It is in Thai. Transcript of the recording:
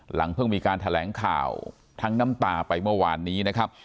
เพิ่งมีการแถลงข่าวทั้งน้ำตาไปเมื่อวานนี้นะครับ